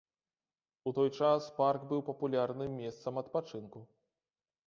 У той час парк быў папулярным месцам адпачынку.